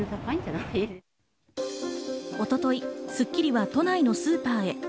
一昨日『スッキリ』は都内のスーパーへ。